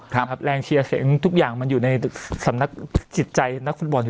เรังเชียร์แสงทุกอย่างอยู่ในศพติดใจนักฟุตบอล